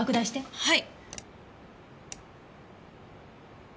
はい。